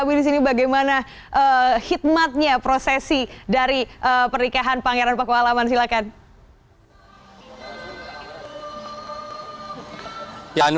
tapi disini bagaimana hikmatnya prosesi dari pernikahan pangeran paku alaman silakan